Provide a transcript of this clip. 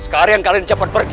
sekarang kalian cepat pergi